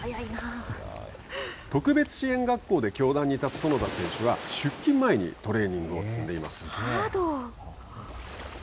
特別支援学校で教壇に立つ園田選手は出勤前にトレーニングを積んでいます。